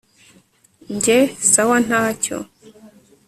njye sawa ntacyo